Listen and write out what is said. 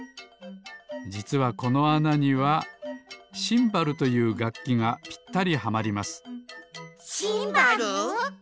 じつはこのあなには「シンバル」というがっきがぴったりはまりますシンバル？